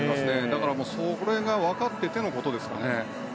だから、それが分かっていてのことですかね。